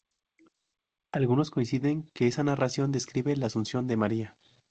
Algunos coinciden que esa narración describe La Asunción de María.